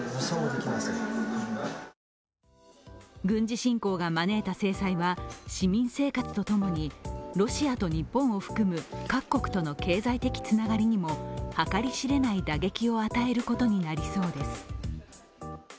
軍事侵攻が招いた制裁は、市民生活とともにロシアと日本を含む各国との経済的つながりにも計り知れない打撃を与えることになりそうです。